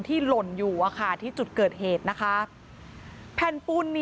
ที่หล่นอยู่ที่จุดเกิดเหตุ